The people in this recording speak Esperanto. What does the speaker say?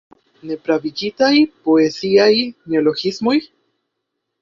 Nepravigitaj poeziaj neologismoj?